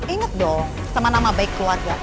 ingat dong sama nama baik keluarga